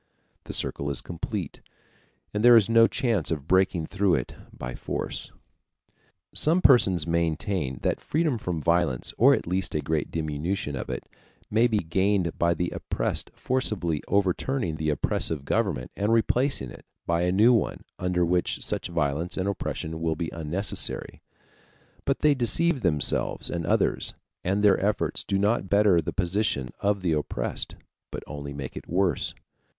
The circle is complete, and there is no chance of breaking through it by force. Some persons maintain that freedom from violence, or at least a great diminution of it, may be gained by the oppressed forcibly overturning the oppressive government and replacing it by a new one under which such violence and oppression will be unnecessary, but they deceive themselves and others, and their efforts do not better the position of the oppressed, but only make it worse.